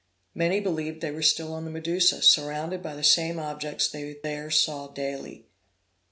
Many believed they were still on the Medusa, surrounded by the same objects they there saw daily.